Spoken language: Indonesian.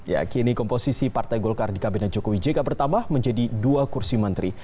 ya kini komposisi partai golkar di kabinet jokowi jk bertambah menjadi dua kursi menteri